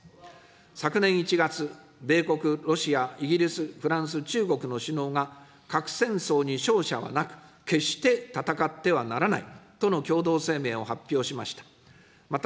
昨年１月、米国、ロシア、イギリス、フランス、中国の首脳が、核戦争に勝者はなく、決して戦ってはならないとの共同声明を発表しました。